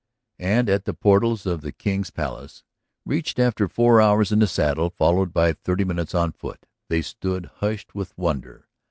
And at the portals of the King's Palace, reached after four hours in the saddle, followed by thirty minutes on foot, they stood hushed with wonder.